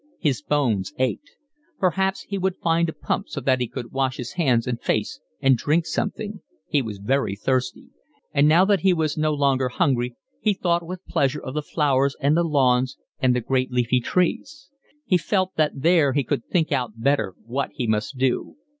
His bones ached. Perhaps he would find a pump so that he could wash his hands and face and drink something; he was very thirsty; and now that he was no longer hungry he thought with pleasure of the flowers and the lawns and the great leafy trees. He felt that there he could think out better what he must do.